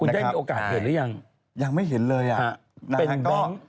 เป็นเบ้ง